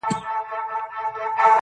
• که نه نو ولي بيا جواب راکوي.